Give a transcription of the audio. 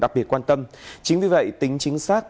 đặc biệt quan tâm chính vì vậy tính chính xác